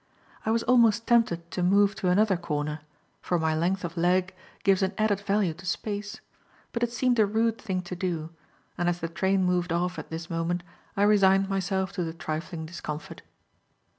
I was almost tempted to move to another corner, for my length of leg gives an added value to space; but it seemed a rude thing to do; and as the train moved off at this moment, I resigned myself to the trifling discomfort.